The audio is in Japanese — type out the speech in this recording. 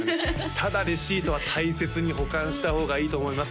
ただレシートは大切に保管した方がいいと思いますよ